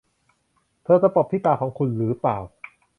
เธอตะปบที่ตาของคุณหรือเปล่า